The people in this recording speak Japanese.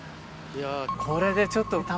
これでちょっと。